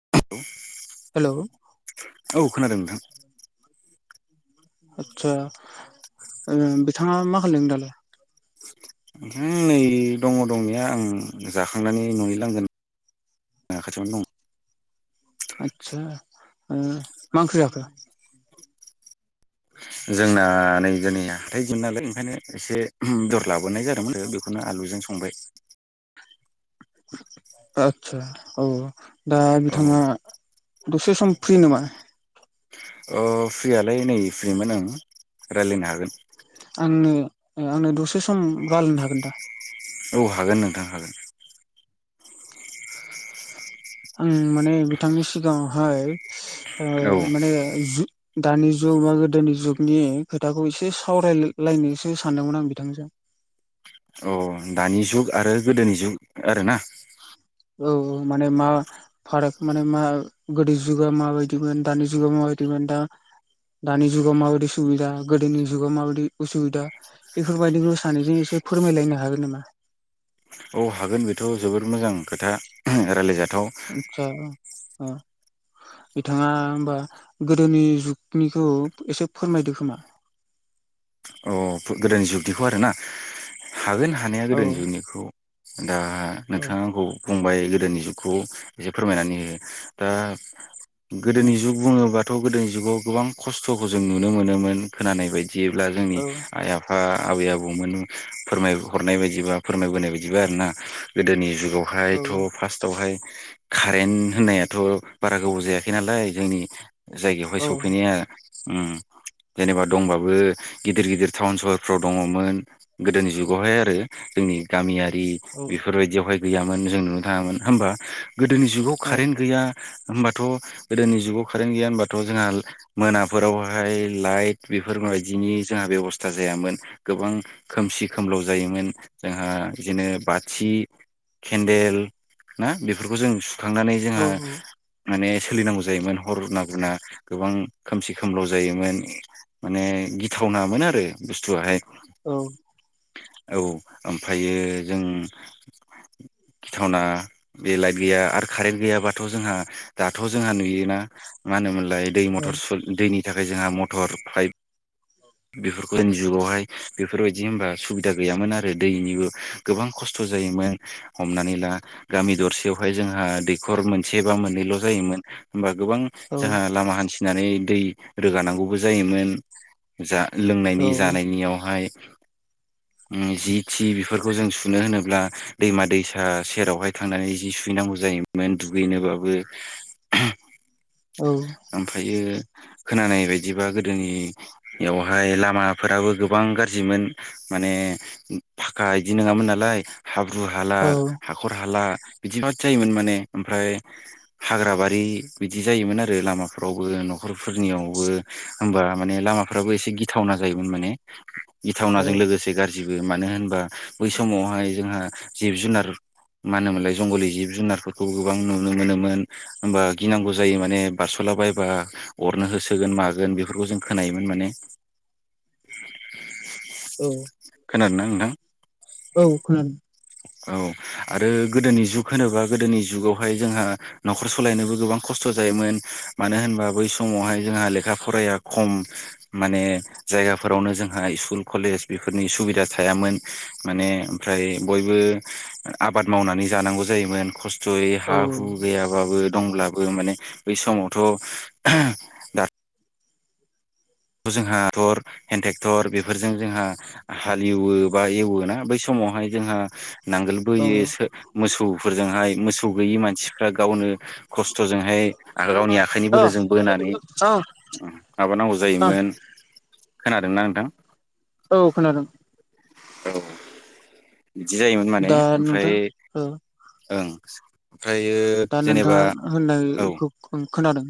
[inaudible] हेल'। औ खोनादों नोंथां। आदसा नोंथाङा मा खालामदों दालाय? नै दङ दंनाया आं जाखांनानै ननि लांगोनायाव। [unintelligible] आटसा मा ओंख्रि जाखो? जोंना नै दिनै हाथाइ दिन नालाय ओंखायनो एसे बेदर लाबो नाय जादोंमोन बेखौनो आलुजों संबाय। आदसा औ दा औ बिथाङा दसे सम फ्रि नामा? अ फ्रियालाय नै फ्रिमोन ओं रायलायनो हागोन। आंनो आंनो दसे सम रालायनो हागोन दा? औ हागोन नोंथां हागोन। आं माने बिथांनि सिगाङावहाय ओ औ माने जु दानि जुग बा गोदोनि जुगनि खोथाखौ एसे सावरायलायनोसो सानदोंमोन आं बिथांजों। अ दानि जुग आरो गोदोनि जुग आरोना। औ औ माने मा फाराग माने मा गोदो जुगा माबायदिमोन दानि जुगा माबायदिमोन। दा दानि जुगाव माबायदि सुबिदा गोदोनि जुगाव माबादि उसुबिदा। बेफोरबायदिखौ सानैजों एसे फोरमायलायनो हागोन नामा? औ हागोन बेथ' जोबोर मोजां खोथा रायलायजाथाव। आदसा अ। बिथाङा होमबा गोदोनि जुगनिखौ एसे फोरमायदो खोमा। अ गोदोनि जुगदिखौ आरोना हागोन हानाया औ गोदोनि जुगनिखौ। दा औ नोंथाङा आंखौ बुंबाय। गोदोनि जुगखौ एसे फोरमायनानै होयो दा औ गोदोनि जुग बुङोबा थ' गोदोनि जुगाव गोबां खस्थ'खौ जों नुनो मोनोमोन खोनानाय बायदियैब्ला जोंनि औ आइ आफा आबै-आबौमोन फोरमाय हरनाय बायदिबा फोरमायबोनाय बायदिबा आरोना गोदोनि जुग गावहायथ' फार्स्टआवहाय कारेन्ट होननायाथ' बारा गोबाव जायाखै नालाय जोंनि जायगायावहाय औ सफैनाया ओम जेनेबा दंबाबो गिदिर-गिदिर टाउन सहरफ्राव दङमोन गोदोनि जुगावहाय आरो जोंनि गामियारि दि बेफोरबायदियावहाय गैयामोन जों नुनो थाङामोन होमबा गोदोनि जुगाव औ कारेन्ट गैया होमबाथ' गोदोनि जुगाव कारेन गैया होमबाथ' जोंहा मोनाफोरावहाय लाइट बेफोर बायदिनि जोंहा बेब'स था जायामोन गोबां खोमसि खोमलाव जायोमोन जोंहा बिदिनो बाथि केन्देल ना बेफोरखौ जों सुखांनानै औ जोंहा माने सोलिनांगौ जायोमोन हर ना गुरना गोबां खोमसि-खोमलाव जायोमोन माने गिथावनाामोन आरो बुस्थुआहाय। औ। औ ओमफ्रायो जों गिथावना बे लाइट गैया आरो कारेन्ट गैयाबाथ' जोंहा दाथ' जोंहा नुयोना मा होनोमोनलाय दै मथर सु दैनि थाखाय जोंहा मटर पाइप बेफोर गोदोनि जुगावहाय बेफोरबायदि होनबा सुबिदा गैयामोन आरो दैनिबो गोबां खस्थ' जायोमोन। हमनानै ला गामि दरसेयावहाय जोंहा दैखर मोनसे बा मोननैल' जायोमोन होमबा गोबां जोंहा लामा हान्थिनानै दै रोगानांगौबो जायोमोन जा लों नि जानायनियावहाय। ओ जि थि बेफोरखौ जों सुनो होनोब्ला दैमा-दैसा सेरावहाय थांनानै जि सुयो नांगौ जायोमोन दुगैनोबाबो। ओमफ्रायो खोनानाय बायदिबा गोदोनियावहाय लामा फोराबो गोबां गाज्रिमोन माने फाखा इदि नङामोन नालाय। हाब्रु-हाला औ हाखर-हाला। बिदिबाद जायोमोन माने ओमफ्राय हाग्रा बारि बिदि जायोमोन आरो लामाफोरावबो न'खर फोरनियावबो होमबा माने लामाफ्राबो एसे गिथावना जायोमोन माने। गिथावनाजों लोगोसे गाज्रिबो मानो होनबा बै समावहाय जोंहा जिब-जुनार मा होनोमोनलाय जंगलि जिब जुनारफोरखौ गोबां नुनो मोनोमोन होमबा गिनांगौ जायो माने बारस ला बायबा अरनो होसोगोन मागोन बेफोरखौ जों खोनायोमोन माने। [unintelligible] ओ। खोनादों ना नोंथां? औ खोनादों। औ आरो गोदोनि जुग होनोबा गोदोनि जुगावहाय जोंहा न'खर सलायनोबो गोबां खस्थ' जायोमोन मानो होनबा बै समावहाय जोंहा लेखा फराया खम माने जायगाफोरावनो जोंहा स्कुल कलेज बेफोरनि सुबिदा थायामोन माने ओमफ्राय बयबो बो आबाद मावनानै जांगौ जायोमोन खसथ'यै हा औ हु गैयाबो। दंब्लाबो माने बै समावथ' दा थ' जोंहा थर हेन्द ट्रेक्टर बेफोरजों जोंहा हालेवो बा एवो ना बै सम समावहाय जोंहा औ नांगोलबोयो सो मोसौफोरजोंहाय मोसौ गैयि मानसिफ्रा गावनो खस्थ'जोंहाय आरो गावनि आखाइनि औ बोलोजों बोनानै उम माबानांगौ जा योमोन खोनादोंना नोंथां? औ खोनादों। औ बिदि जायोमोन माने दा ओमफ्राय नोंथां औ ओं ओमफ्रायो दा जेनेबा नोंथाङा औ होननायखौ खोनादों।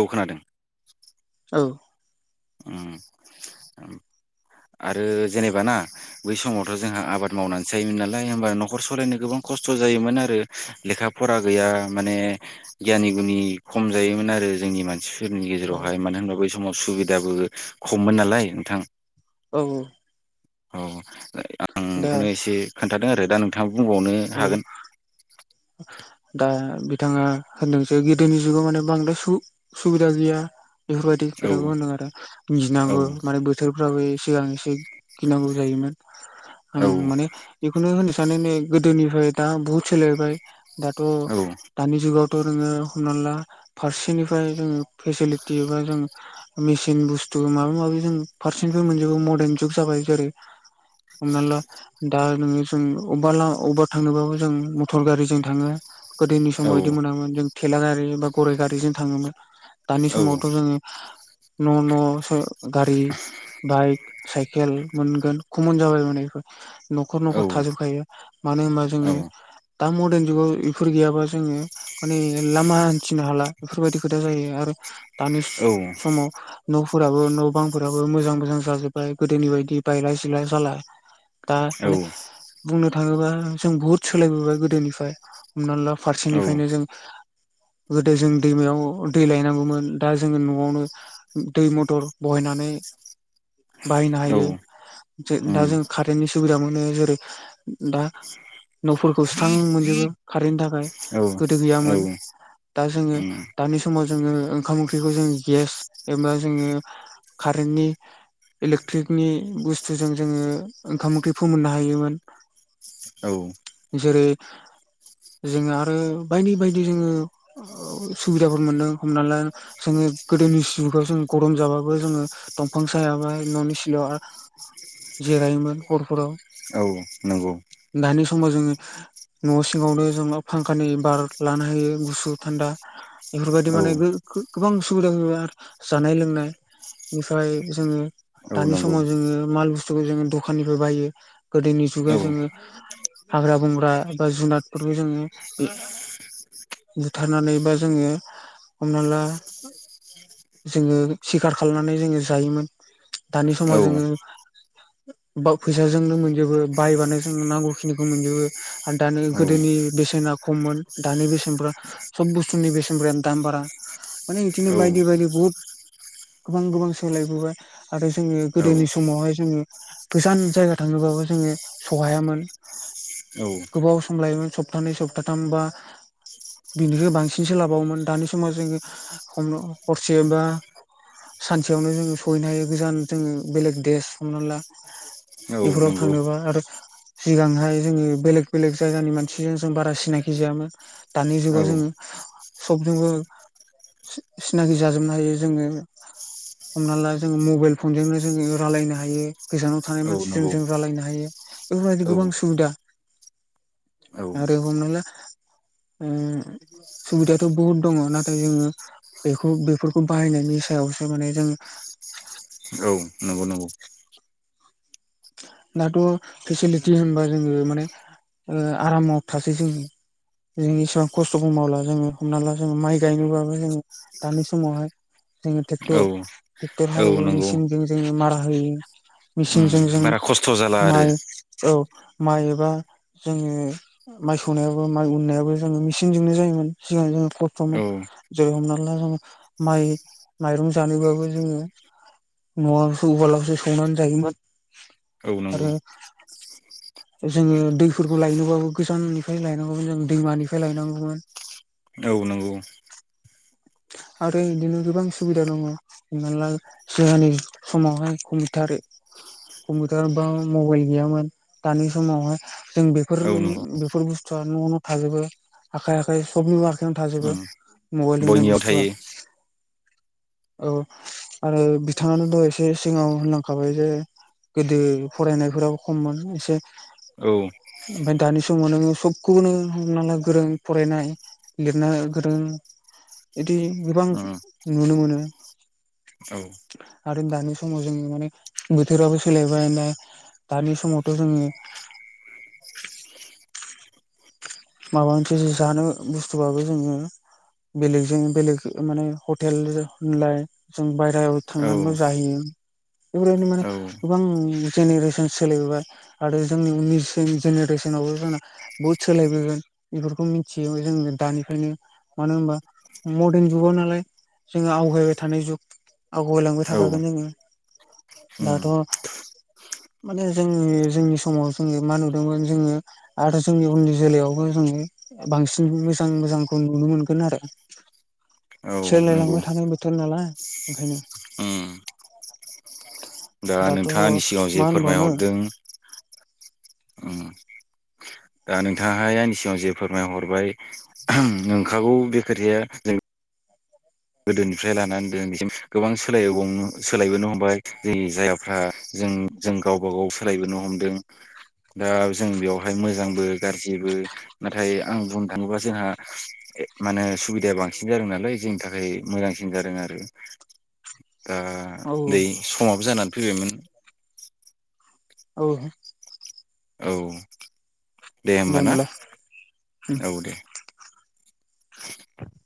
औ खोनादों। औ उम उम आरो जेनेबा ना बै समावथ' जोंहा आबाद मावनासो जायोमोन नालाय होमबा न'खर सलायनो गोबां खस्थ' जायोमोन आरो लेखा फरा गैया माने गियानि गुनि खम जायोमोन आरो। जोंनि मानसिफोरनि औ गेजेरावहाय मानोहोनबा बै समाव सुबिदाबो खममोन नालाय नोंथां। औऔ औ आं बिखौनो एसे खोन्थादों आरो दा नों बुंबावनो औ हागोन। दा बिथाङा होनदोंजे गोदोनि जुगाव माने बांद्राय सु-सुबिदा गैया। बेफोरबायदि औ खोथाखौ होनदों आरो औ गिनांगौ माने बोथोरफ्राबो सिगां एसे गिनांगौ जायोमोन आं औ माने बेखौनो होनो सानो नै गोदोनिफ्राय दा बुहुद सोलायबाय दाथ' औ दानि जुगावथ' नोङो हमना ला फास्ट फारसेनिफाय मोनजोबो मदार्न जुग जाबाय जेरै हमना ला दा नोङो जों अबबा ला अबबा थांनोबाबो जों मटर गारि‌ जों थाङो गोदोनि समाव इदि औ मोनामोन जों थेलागारि बा गराय गारिजों थाङोमोन। दानि औ समावथ' जोङो न'-नसो गारि बाइक साइकेल मोनगोन खमन जाबाय माने इफोर औ न'खर-न'खर थाजोबखायो मानोहोनबा औ जोङो दा मदान जुगाव बेफोर गैयाबा जोङो माने लामा हान्थिनो हाला बेफोरबायदि खोथा जायो आरो दानि औ उम स-समाव न' फोराबो नबांफोराबो मोजां-मोजां जाजोबबाय गोदोनि बायदि बायलाय सिला जाला दा औ माने बुंनोथाङोबा जों बुहुद सोलायबोबाय गोदोनिफ्राय हमनाला फारसेनिफ्रायनो जों गोदो जों दैमायाव दै लायनांगौमोन दा जोङो न'वावनो दै मथर बहायनानै बाहायनोहायो जों दा जों कारेन्टनि सुबिदा मोनो जेरै दा न'फोरखौ स्रां मोनजोबो बेनि थाखाय गोदो औ गैयामोन दा जोङो उम दानि समाव जोङो ओंखाम ओंख्रिखौ जों गेस एबा जोङो कारेेनटनि इलेक्ट्रिकनि बुस्थुजों जोङो ओंखाम ओंख्रि फोमोननो हायोमोन। औ जेरै जोङो आरो बायदि-बायदि जोङो ओह सुबिदाफोर मोनदों हमनाला जोङो गोदोनि जुगाव जों गरम जाबाबो जोङो दंफां सायाबा न'नि सिलायावहा जिरायोमोन हरफोराव। औ नंगौ। दानि समाव जोंङो न' सिङावनो जों मा फांखानि बार लानो हायो गुसु थान्दा बेफोरबायदि औ माने गो गो गोबां सुबिदा होयो आरो जानाय लोंनाय इनिफ्राय जोंङो औ दानि नंगौ समाव जोंङो माल बुस्थुखौ जोंङो दखाननिफाय बायो। गोदोनि औ जुगा जोंङो हाग्रा बंग्रा एबा जुनाद फोरबो जोंङो ज [inaudible] थारनानै बा जोंङो हमना ला जोंङो सिखार खालामनानै जोंङो जायोमोन दानि औ समाव जोंङो बाव फैसाजोंनो मोनजोबो बायबानो जोंनो नांगौखिनिखौ मोनजोबो आरो दानि गोदोनि बेसेना खममोन दानि बेसेनफ्रा सब बुस्थुनि बेसेनफ्रानो दाम बारा। माने इदिनो बायदि बायदि बहुद गोबां गोबां सोलायबोबाय। आरो जोंङो औ गोदोनि समावहाय जोंङो गोजान जायगा थांङोबाबो जोंङो। सहायामोन। औ सप्तानैै सप्ताथाम बा बिनिखै बांसिनसो लाबावोमोन दानि समाव जोंङो हम हरसे बा सानसेयावनो जोंङो सहैनो हायो गोजान जों बेलेग देस हमना ला औ बेफोराव नंगौ थांनोबा आरो सिगांहाय जोंङो बेलेग बेलेग। जायगानि मानसिजों जों बारा सिनाखि जायामोन दानि औ जुगाव जोंङो सबजोंबो। सि सिनाखि जाजोबनो हायो जोंङो। हमना ला जोंङो मबाइल फनजोंनो जोंङो रालायनो हायो गोजानाव थानाय औ मानसिजों नंगौ जों रालायनो हायो। इफोरबायदि औ गोबां सुबिदा औ आरो हमना ला। ओम सुबिदायाथ' बहुद दंङ नाथाय जोंङो बेखौ बेफोरखौ बाहायनायनि सो सायावसो माने जों औ नंग। दाथ' पिसिल्थि होनबा जोंङो माने ओ आरामाव थासै जोंङो। जों इसेबां खस्थ'बो मावला जों हमना ला जों माइ गायनोबाबो जों दानि समावहाय। जोंङो औ ट्रेक्टर ट्रेक्टर औ हालेवो नंगौ मेसिनजों जोंङो मारा होयो मिसिन उम जों बारा खस्थ' जाला आरो माइ औ माइ एबा जोंङो माइ सौनायाबो माइ उननायाबो जों मेचिनजोंनो जायोमोन सिगां जोंङो औ खस्थ'मोन। जों हमना ला जोंङो माइ माइरं जानोबाबो जोंङो। न'आवसो उवाल आवसो सौनानै जायोमोन। औ नंगौ। जोंङो दैफोरखौ लायनोबाबो गोजाननिफ्राय लायनांगौमोन जों दैमानिफ्राय लायनांगौमोन। औ नंगौ। [inaudible] आरो बिदिनो गोबां सुबिदा दंङ हमनाला जोंहानि समावहाय कमिथार। कम्पिटार बा मबाइल गैयामोन दानि समावहाय जों बेफोर औ नंगौ बेफोर बुस्थ थुया न' न' थाजोबो आखाय आखाय सबनिबो आखायावनो थाजोबो उम मबाइल होननाय बुस्थ बयनियाव बुुस्थ थायो औ आरो बिथांङानो दहाय एसे सिगांङाव होनलांखाबाय जे गोदो फरायनायफोराबो खममोन एसे औ ओमफाय दानि समाव नोंङो सब गुबुनो हमनाला गोरों फरायनाय लिरना गोरों। बिदि गोबां उम नुनो मोनो। औ आरो दानि समाव जोंङो माने बोथोराबो सोलायबाय ने। दानि समावथ' जोंनि माबा मोनसे जानो बुस्थुबाबो जोंङो बेलेगजों बेलेग माने हटेल होनलाय जों बायहेरायाव औ थांनांगौ जाहैयो। बेफोरनो माने औ गोबां जेनेरेसन सोलिबोबाय आरो जोंनि उननि जेनेरेसन होमबाबो जोंना बहुत सोलायबोबाय,, बेफोरखौ मिथियो जों दानिफ्रायनो मानो होनबा मदारन जुगाव नालाय,, जोङो आवगायबाय थानाय जुग आवगायलांबाय औ थाखागोन जोङो,, उम दाथ',, माने जोंङो जोंनि समाव जोङो मा नुदोंमोन जोङो आरो जोंनि उननि जोलैयाव,, जोङो बांसिन मोजां- मोजांखौ नुनो मोनगोन आरो,, औ नंगौ सोलायलांबाय थानाय बोथोर नालाय ओंखायनो,, उम दा दाथ' नोंथाङा आंनि सिगाङाव मा जे होन बावनो,, फोरमायहरदों उम दा नोंथाङाहाय आंनि सिगाङाव जे फोरमायहरबाय नंखागौ बे खोथाया जों,, गोदोनिफ्राय लानानै दोनैसिम गोबां सोलायबाव नङा होमबा जों जायगाफ्रा,, जों जों गावबा- गाव सोलायबोनो हमदों। दा जों बेवहाय मोजांबो गाज्रिबो नाथाय आं बुंनो थाङोबा जोंहा माने सुबिदाया बांसिन जादों नालाय जोंनि थाखाय ओफ्राय मोजांसिन जादों आरो दा औ बै समाबो जानानै फैबायमोन औ। औ दे होमबा ना, औ दे। [unintelligible]